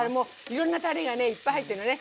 いろんなたれがねいっぱい入ってんのね。